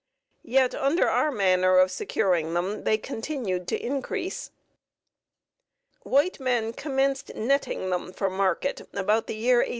Yet, under our manner of securing them, they continued to increase. White men commenced netting them for market about the year 1840.